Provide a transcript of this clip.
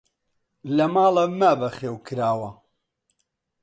لە ماڵە مە بەخێو کراوە!